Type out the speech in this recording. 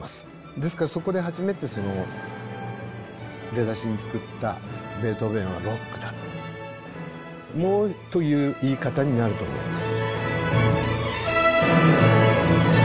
ですからそこで初めてその出だしに作った「ベートーヴェンはロックだ！」という言い方になると思います。